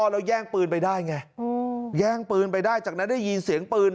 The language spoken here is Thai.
แล้วแย่งปืนไปได้ไงแย่งปืนไปได้จากนั้นได้ยินเสียงปืน